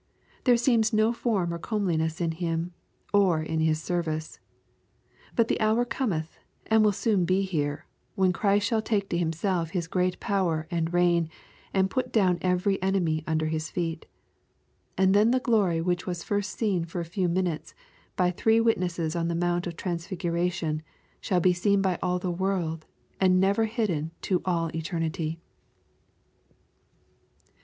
There seems no form or comeliness in Him, or in His service. But the hour cometh, and will soon be here, when Christ shall take to Himself His great power and reign, «nd put down every enemy under His feet. And then the glory which was first seen for a few minutes, by three witnesses on the Mount of Transfiguration, shall be seen by all the world, and never hidden to all eternity.